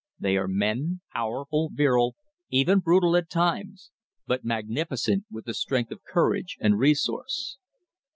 They are men, powerful, virile, even brutal at times; but magnificent with the strength of courage and resource.